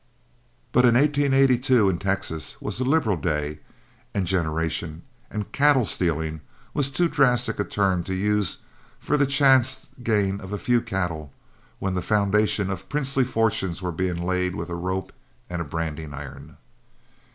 But 1882 in Texas was a liberal day and generation, and "cattle stealing" was too drastic a term to use for the chance gain of a few cattle, when the foundations of princely fortunes were being laid with a rope and a branding iron.